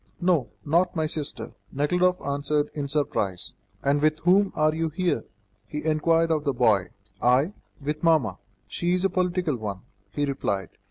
"No, not my sister," Nekhludoff answered in surprise. "And with whom are you here?" he inquired of the boy. "I? With mamma; she is a political one," he replied.